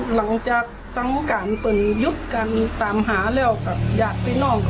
หลังจากทั้งการเปิดยุบกันตามหาแล้วกับญาติพี่น้อง